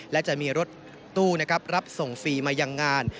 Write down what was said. และจะมีรถตู้รับส่งฟรีมายังงาน